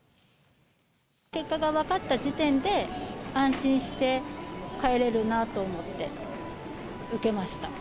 結果が分かった時点で、安心して帰れるなと思って受けました。